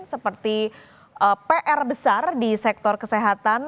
seperti pr besar di sektor kesehatan